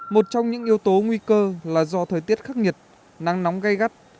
một trong những yếu tố nguy cơ là do thời tiết khắc nghiệt nắng nóng gây gắt